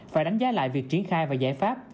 phải đánh giá lại việc triển khai và giải pháp